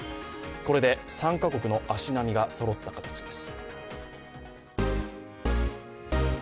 これで３か国の足並みがそろった形です。